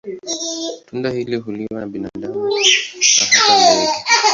Tunda hili huliwa na binadamu na hata ndege.